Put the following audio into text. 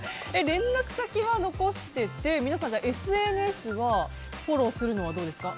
連絡先は残してて皆さん、ＳＮＳはフォローするのはどうですか？